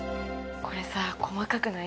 これさ、細かくない？